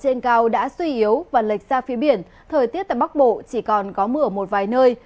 nhiệt độ cao trên cao đã suy yếu và lệch ra phía biển thời tiết tại bắc bộ chỉ còn có mưa một vài nơi